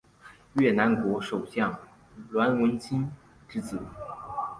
越南国首相阮文心之子。